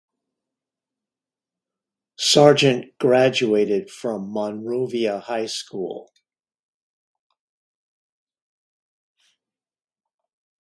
Sargent graduated from Monrovia High School.